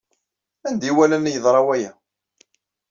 Anda ay walan yeḍra waya?